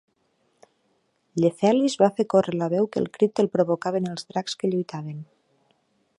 Llefelys va fer córrer la veu que el crit el provocaven dracs que lluitaven.